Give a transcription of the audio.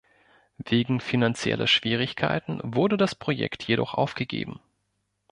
Wegen finanzieller Schwierigkeiten wurde das Projekt jedoch aufgegeben.